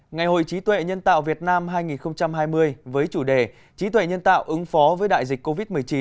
ngày hội trí tuệ nhân tạo việt nam hai nghìn hai mươi với chủ đề trí tuệ nhân tạo ứng phó với đại dịch covid một mươi chín